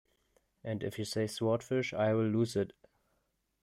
And if you say "swordfish" I'll lose it!